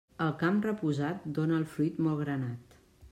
El camp reposat dóna el fruit molt granat.